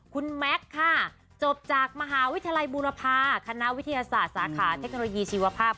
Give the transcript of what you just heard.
คุณแม็กซ์ค่ะจบจากมหาวิทยาลัยบูรพาคณะวิทยาศาสตร์สาขาเทคโนโลยีชีวภาพ